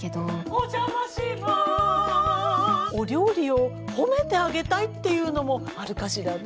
お邪魔しますお料理を褒めてあげたいっていうのもあるかしらね。